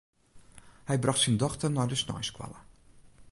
Hy brocht syn dochter nei de sneinsskoalle.